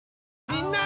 みんな！